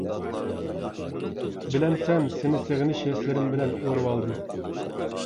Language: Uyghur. بىلەمسەن سېنى سېغىنىش ھېسلىرىم بىلەن ئورىۋالدىم.